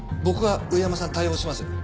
僕が上山さん対応します。